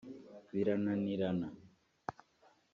birananirana